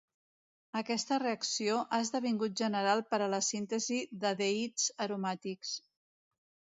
Aquesta reacció ha esdevingut general per a la síntesi d'aldehids aromàtics.